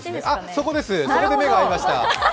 それで目が合いました。